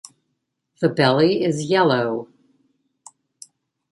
The belly is yellow.